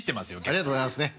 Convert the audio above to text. ありがとうございますね。